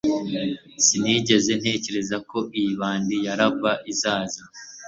Sinigeze ntekereza ko iyi bande ya rubber izaza